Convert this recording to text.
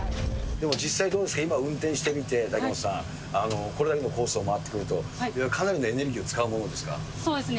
でも実際どうですか、今、運転してみて、竹本さん、これだけのコースを回ってくると、かなりのエネルギーを使うものでそうですね。